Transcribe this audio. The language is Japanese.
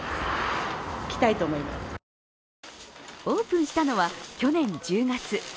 オープンしたのは去年１０月。